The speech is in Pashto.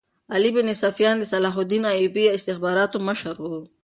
علي بن سفیان د صلاح الدین ایوبي د استخباراتو مشر وو